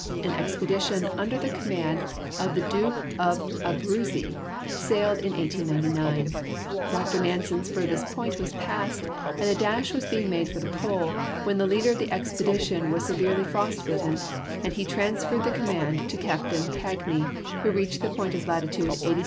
An expedition under the com mand of the Duke of the Abruzzi sailed in 1899. Dr. Nan sen's furthest point was passed, and a dash was being made for the Pole, when the leader of the expedition was severely frostbitten, and he transferred the command to Capt. Cagni, who reached the point of latitude 86° 34'.